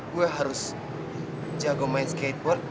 gue harus jago main skateboard